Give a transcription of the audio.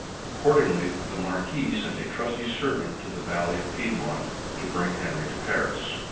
Accordingly, the Marquis sent a trusty servant to the valley of Piedmont, to bring Henri to Paris.